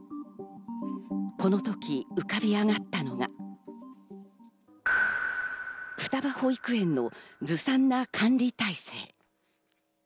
この時、浮かび上がったのが双葉保育園のずさんな管理体制。